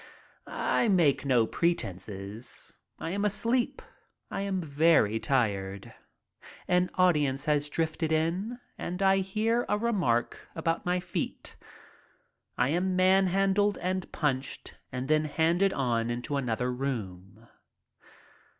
I make pretenses. I am asleep. I am very tired. An audience has drifted in and I hear a remark about my feet. I am manhandled and punched and then handed on into another room.